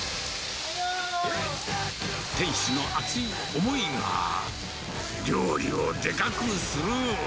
店主の熱い思いが、料理をでかくする。